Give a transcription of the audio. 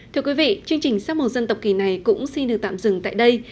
thưa quý vị chương trình sắp một dân tộc kỳ này cũng xin được tạm dừng tại đây